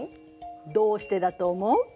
どうしてだと思う？